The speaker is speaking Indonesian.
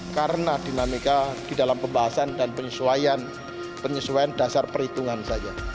karena dinamika di dalam pembahasan dan penyesuaian dasar perhitungan saja